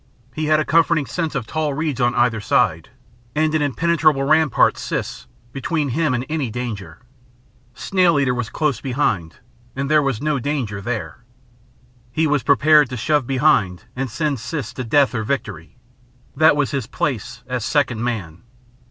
He had a comforting sense of tall reeds on either side, and an impregnable rampart, Siss, between him and any danger. Snail eater was close behind and there was no danger there. He was prepared to shove behind and send Siss to death or victory. That was his place as second man.